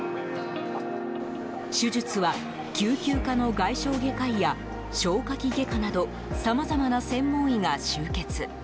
手術は、救急科の外傷外科医や消化器外科などさまざまな専門医が集結。